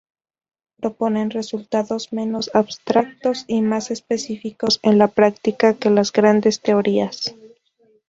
Proponen resultados menos abstractos y más específicos en la práctica que las grandes teorías.